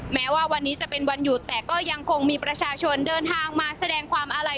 แม้ว่าวันนี้จะเป็นวันหยุดแต่ก็ยังคงมีประชาชนเดินทางมาแสดงความอาลัย